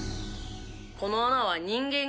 この穴は。